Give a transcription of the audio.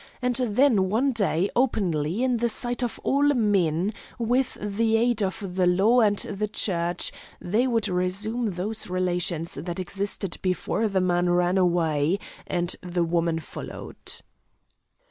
And then, one day, openly, in the sight of all men, with the aid of the law and the church, they would resume those relations that existed before the man ran away and the woman followed."